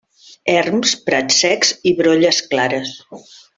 Erms, prats secs i brolles clares.